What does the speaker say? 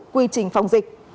quy trình phòng dịch